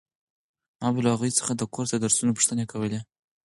ما به له هغوی څخه د کورس د درسونو پوښتنې کولې.